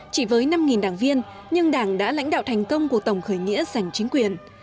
chỉ với năm đảng viên nhưng đảng đã lãnh đạo thành công của tổng khởi nghĩa giành chính quyền